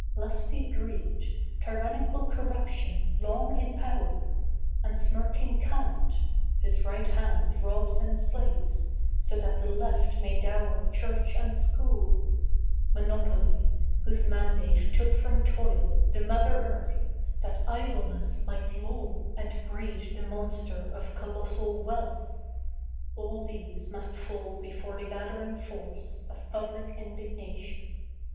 Lusty Greed, Tyrannical Corruption long in power, And smirking Cant (whose right hand robs and slays So that the left may dower Church and School), Monopoly, whose mandate took from Toil The Mother Earth, that Idleness might loll And breed the Monster of Colossal Wealth— All these must fall before the gathering Force Of public indignation.